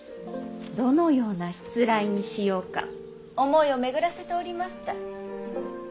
どのようなしつらえにしようか思いを巡らせておりました。